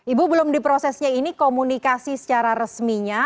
ibu belum diprosesnya ini komunikasi secara resminya